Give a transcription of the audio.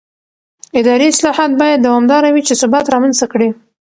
اداري اصلاحات باید دوامداره وي چې ثبات رامنځته کړي